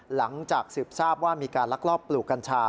หลังจากสืบทราบว่ามีการลักลอบปลูกกัญชา